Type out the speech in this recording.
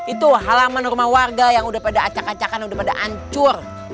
itu halaman rumah warga yang udah pada acak acakan udah pada hancur